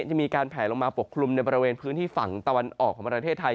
จะมีการแผลลงมาปกคลุมในบริเวณพื้นที่ฝั่งตะวันออกของประเทศไทย